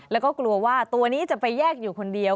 แล้วก็กลัวว่าตัวนี้จะไปแยกอยู่คนเดียว